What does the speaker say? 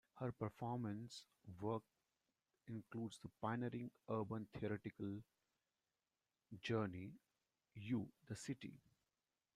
Her performance work includes the pioneering urban theatrical journey, "You-The City".